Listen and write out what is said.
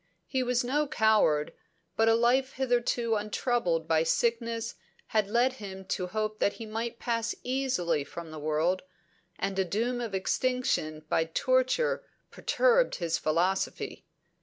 He was no coward, but a life hitherto untroubled by sickness had led him to hope that he might pass easily from the world, and a doom of extinction by torture perturbed his philosophy.